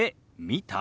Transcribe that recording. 見た？